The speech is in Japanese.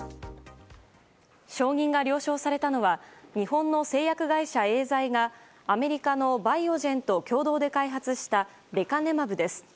承認が了承されたのは日本の製薬会社エーザイがアメリカのバイオジェンと共同で開発したレカネマブです。